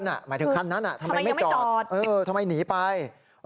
หมายถึงคันนั้นทำไมไม่จอดทำไมหนีไป